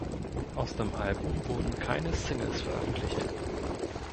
Aus dem Album wurden keine Singles veröffentlicht.